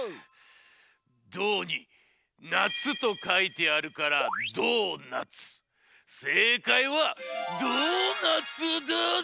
「胴」に「なつ」とかいてあるからせいかいは「ドーナツ」だぜ。